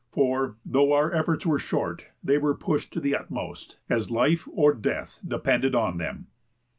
For, though our efforts were short, they were pushed to the utmost, as life or death depended on them."